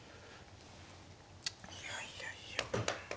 いやいやいや。